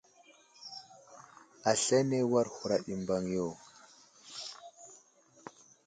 Aslane war huraɗ i mbaŋ yo.